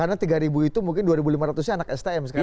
karena tiga ribu itu mungkin dua lima ratus nya anak stm sekarang